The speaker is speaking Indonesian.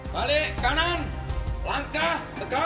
balik kanan langkah gerak maju